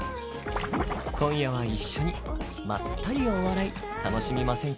今夜は一緒にまったりお笑い楽しみませんか？